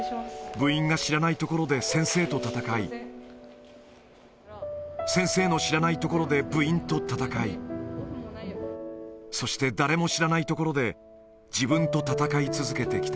部員が知らないところで先生と闘い、先生の知らないところで部員と闘い、そして誰も知らないところで自分と闘い続けてきた。